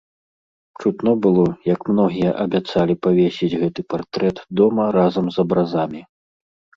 Чутно было, як многія абяцалі павесіць гэты партрэт дома разам з абразамі.